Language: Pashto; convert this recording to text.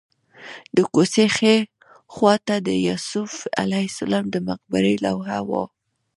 د کوڅې ښي خوا ته د یوسف علیه السلام د مقبرې لوحه وه.